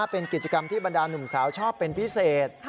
เป็นกิจกรรมที่บรรดาหนุ่มสาวชอบเป็นพิเศษ